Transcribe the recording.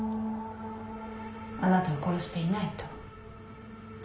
あなたは殺していないと？